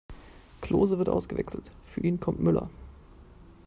Klose wird ausgewechselt, für ihn kommt Müller.